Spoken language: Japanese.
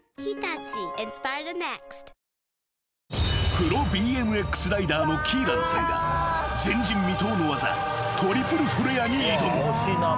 ［プロＢＭＸライダーのキーランさんが前人未到の技トリプルフレアに挑む］